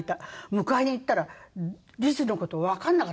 迎えに行ったらリズの事わかんなかった。